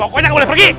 pokoknya gak boleh pergi